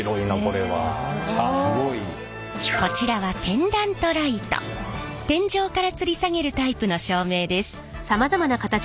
天井からつり下げるタイプの照明です。